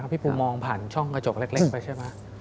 พี่ปูมองผ่านช่องกระจกเล็กไปใช่ไหม